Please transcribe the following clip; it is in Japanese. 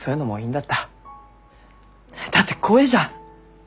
だって怖えじゃん。